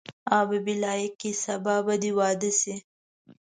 آ بي بي لایقې سبا به دې واده شي.